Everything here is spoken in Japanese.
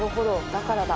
だからだ」